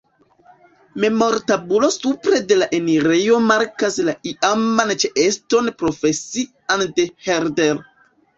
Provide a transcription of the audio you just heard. Memortabulo supre de la enirejo markas la iaman ĉeeston profesian de Herder.